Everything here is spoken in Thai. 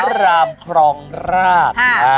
รามครองราช